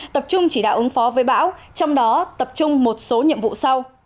tập trung chỉ đạo ứng phó với bão trong đó tập trung một số nhiệm vụ sau